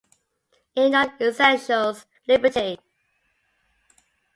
In Non-Essentials, Liberty.